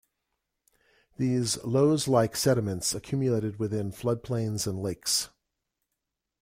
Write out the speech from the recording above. These loess-like sediments accumulated within floodplains and lakes.